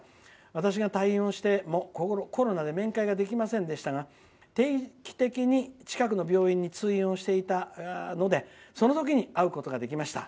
私が退院してもコロナで面会ができませんでしたが定期的に近くの病院に通院をしていたのでその時に会うことができました。